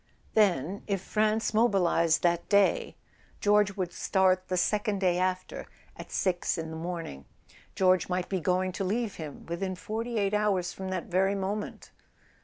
Then, if France mobilised that day, George would start the second day after, at six in the morning. George might be going to leave him within forty eight hours from that very moment!